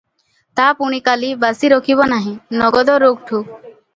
ତା ପୁଣି କାଲି ବାସି ରଖିବ ନାହିଁ, ନଗଦ ରୋକ ଠୋକ୍ ।